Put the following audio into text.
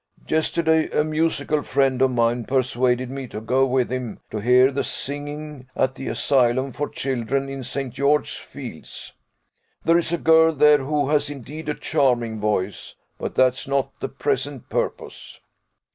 Yesterday, a musical friend of mine persuaded me to go with him to hear the singing at the Asylum for children in St. George's Fields. There is a girl there who has indeed a charming voice but that's not to the present purpose.